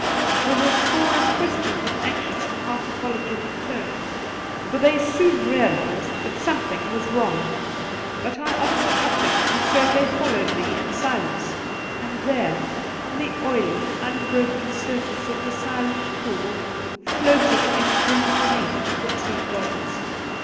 There were a score of questions in anxious and half apologetic tones, for they soon realized that some 1 86 The Pool thing was wrong ; but I answered nothing, and so they followed me in silence, and there, on the oily, unbroken surface of the silent pool, floated in grim relief the two bodies.